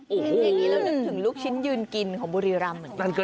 แล้วนึกถึงลูกชิ้นยืนกินของบุรีรำ